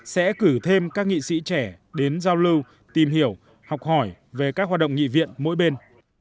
sẽ cử thêm các nghị sĩ trẻ đến giao lưu tìm hiểu học hỏi về các hoạt động nghị viện mỗi bên